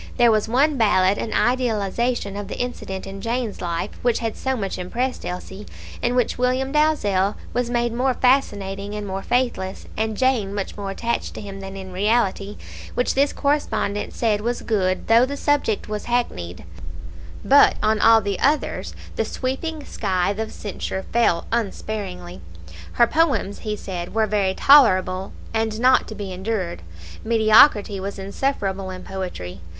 There was one ballad an idealization of the incident in Jane's life which had so much impressed Elsie, in which William Dalzell was made more fascinating and more faithless, and Jane much more attached to him than in reality which this correspondent said was good, though the subject was hackneyed, but on all the others the sweeping scythe of censure fell unsparingly. "Her poems," he said, "were very tolerable, and not to be endured;" mediocrity was insufferable in poetry.